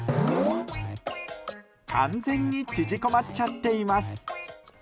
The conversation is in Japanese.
完全に縮こまっちゃっています。